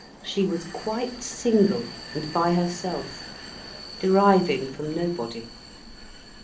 She was quite single and by herself, deriving from nobody.